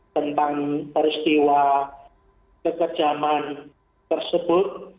tentang peristiwa kekerjaman tersebut